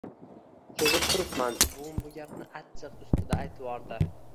Sezib turibman, buvim bu gapni achchiq ustida aytvordi